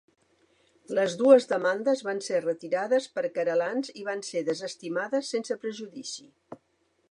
Les dues demandes van ser retirades pels querellants i van ser desestimades sense prejudici.